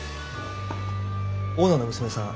オーナーの娘さん